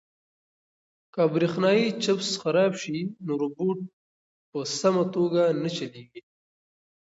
که برېښنايي چپس خراب شي نو روبوټ په سمه توګه نه چلیږي.